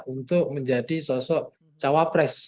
untuk menjadi sosok cawapres